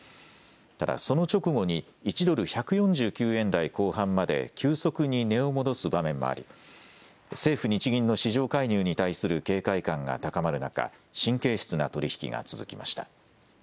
ただ、その直後に１ドル１４９円台後半まで急速に値を戻す場面もあり政府・日銀の市場介入に対する警戒感が高まる中、神経質な取り引きが続きました。